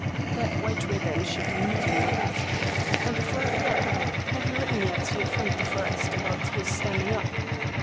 "That white ribbon should be medium width. And before I forget it, have you written yet to your friend De Forest about his standing up?"